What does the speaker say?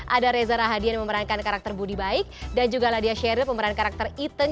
ada reza rahadian yang memerankan karakter budi baik dan juga ladia sheryl pemeran karakter ethan